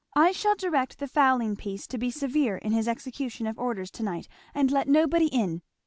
I shall direct the fowling piece to be severe in his execution of orders to night and let nobody in.